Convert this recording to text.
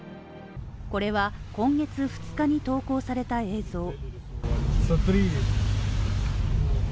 これは今月２日に投稿された映像。